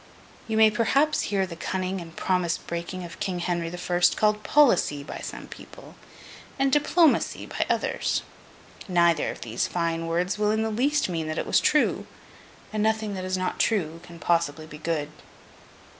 You may perhaps hear the cunning and promise breaking of King Henry the First, called 'policy' by some people, and 'diplomacy' by others. Neither of these fine words will in the least mean that it was true; and nothing that is not true can possibly be good.